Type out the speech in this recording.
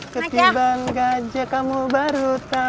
ketiban gajah kamu baru tahu